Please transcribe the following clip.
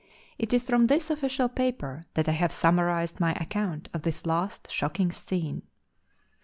It is from this official paper that I have summarized my account of this last shocking scene.